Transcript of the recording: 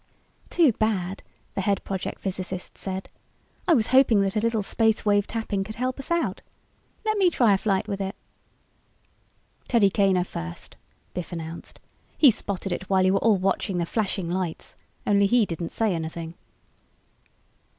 "Too bad," the head project physicist said, "I was hoping that a little Space Wave Tapping could help us out. Let me try a flight with it." "Teddy Kaner first," Biff announced. "He spotted it while you were all watching the flashing lights, only he didn't say anything."